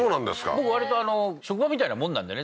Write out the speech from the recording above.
僕割と職場みたいなもんなんでね